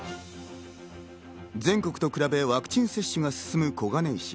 全国と比べワクチン接種が進む小金井市。